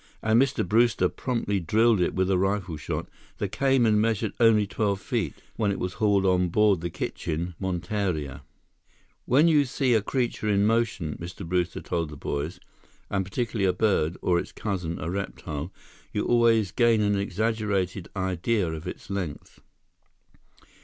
and Mr. Brewster promptly drilled it with a rifle shot, the cayman measured only twelve feet, when it was hauled on board the kitchen monteria. "When you see a creature in motion," Mr. Brewster told the boys, "and particularly a bird, or its cousin, a reptile, you always gain an exaggerated idea of its length."